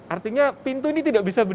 artinya pintu ini tidak bisa berjalan